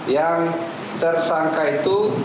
yang tersangka itu